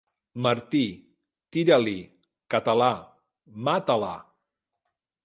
Martí, tira-li; català, mata-la.